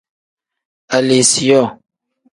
Aleesiyoo.